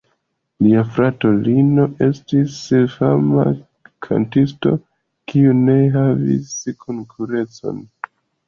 Lia frato Lino estis fama kantisto, kiu ne havis konkurencon.